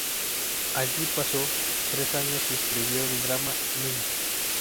Allí pasó tres años y escribió el drama "Nina".